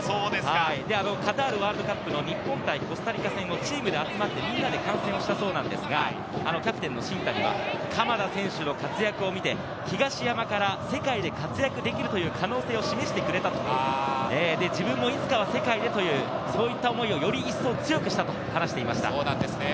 カタールワールドカップの日本対コスタリカ戦をチームで集まって、みんなで観戦をしたそうなんですが、キャプテンの新谷は鎌田選手の活躍を見て、東山から世界で活躍できるという可能性を示してくれたと、自分もいつかは世界でという、そういった思いをより一層、強くしたと話していました。